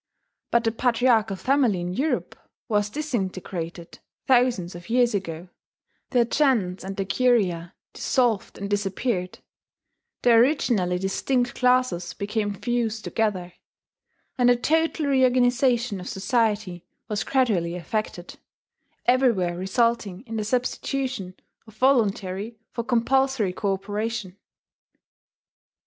But the patriarchal family in Europe was disintegrated thousands of years ago; the gens and the curia dissolved and disappeared; the originally distinct classes became fused together; and a total reorganization of society was gradually effected, everywhere resulting in the substitution of voluntary for compulsory cooperation.